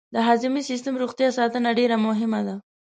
د هضمي سیستم روغتیا ساتنه ډېره مهمه ده.